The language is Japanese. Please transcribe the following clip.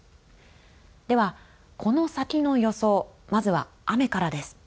では、この先の予想まずは雨からです。